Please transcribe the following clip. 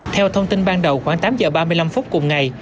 theo thông tin ban đầu khoảng tám giờ ba mươi năm phút cùng ngày